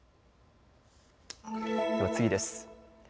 では次です。